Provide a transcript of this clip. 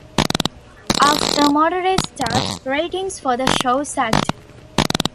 After a moderate start, ratings for the show sagged.